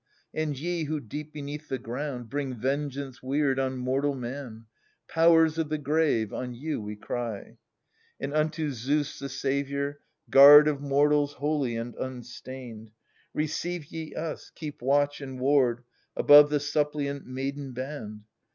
And ye who, deep beneath the ground. Bring vengeance weird on mortal man, Powers of the grave, on you we cry ! *rO And unto Zeus the Saviour, guard Of mortals holy and unstained. ^ Receive ye us — keep watch and ward Above the suppliant maiden band